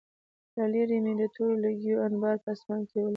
له لېرې مې د تورو لوګیو انبار په آسمان کې ولید